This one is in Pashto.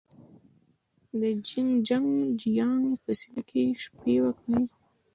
د جين چنګ جيانګ په سیمه کې شپې وکړې.